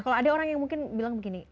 kalau ada orang yang mungkin bilang begini